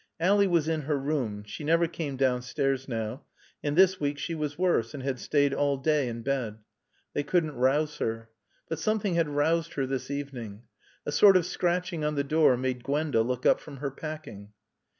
Ally was in her room. She never came downstairs now; and this week she was worse and had stayed all day in bed. They couldn't rouse her. But something had roused her this evening. A sort of scratching on the door made Gwenda look up from her packing.